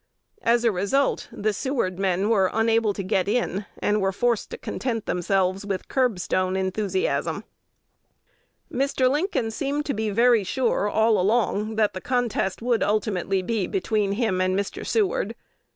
As a result, the Seward men were unable to get in, and were forced to content themselves with curbstone enthusiasm. Mr. Lincoln seemed to be very sure, all along, that the contest would be ultimately between him and Mr. Seward.